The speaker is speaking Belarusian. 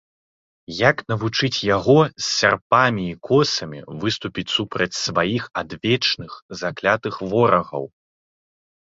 Як навучыць яго з сярпамі і косамі выступіць супраць сваіх адвечных, заклятых ворагаў?